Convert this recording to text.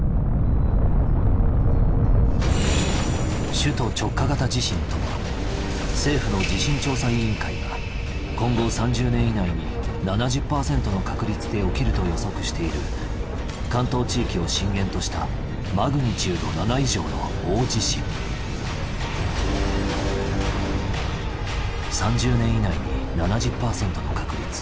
首都直下型地震とは政府の地震調査委員会が今後３０年以内に７０％の確率で起きると予測している関東地域を震源としたマグニチュード７以上の大地震３０年以内に７０％の確率。